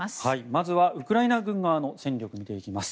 まずはウクライナ軍側の戦力を見ていきます。